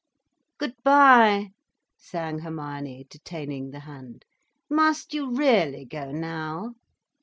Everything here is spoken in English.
"Good bye—" sang Hermione, detaining the hand. "Must you really go now?"